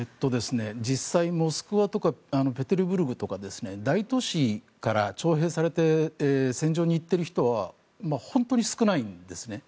実際モスクワとかペテルブルクとか大都市から徴兵されて戦場に行っている人は本当に少ないんですね。